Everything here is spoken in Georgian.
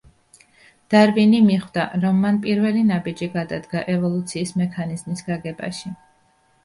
დარვინი მიხვდა, რომ მან პირველი ნაბიჯი გადადგა ევოლუციის მექანიზმის გაგებაში.